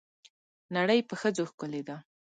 نړۍ په ښځو ښکلې ده.